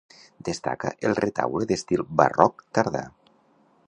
Destaca el retaule d'estil barroc tardà.